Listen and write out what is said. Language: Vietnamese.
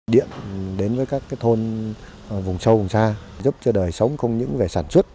điện đến với các thôn vùng sâu vùng xa giúp cho đời sống không những về sản xuất